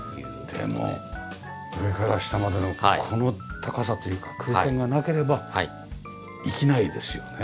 でも上から下までのこの高さというか空間がなければ生きないですよね。